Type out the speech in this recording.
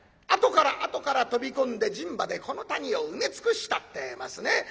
あとからあとから飛び込んで人馬でこの谷を埋め尽くしたってえますね。